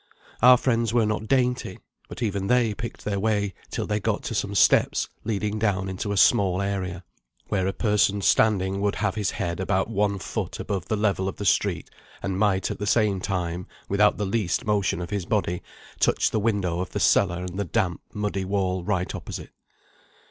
Our friends were not dainty, but even they picked their way till they got to some steps leading down into a small area, where a person standing would have his head about one foot below the level of the street, and might at the same time, without the least motion of his body, touch the window of the cellar and the damp muddy wall right opposite.